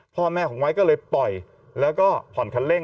พ่อแม่ของไว้ก็เลยปล่อยแล้วก็ผ่อนคันเร่ง